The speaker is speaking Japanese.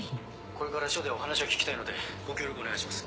これから署でお話を聞きたいのでご協力お願いします。